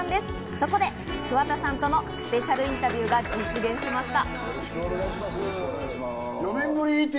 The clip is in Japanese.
そこで桑田さんとのスペシャルインタビューが実現しました。